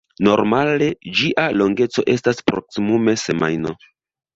Normale ĝia longeco estas proksimume semajno.